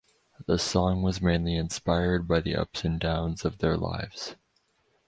The song was mainly inspired by the ups and downs of their lives.